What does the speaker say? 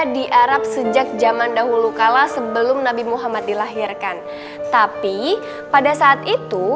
di arab sejak zaman dahulu kala sebelum nabi muhammad dilahirkan tapi pada saat itu